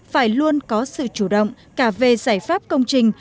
phải luôn có sự chủ động cả về giải pháp công trình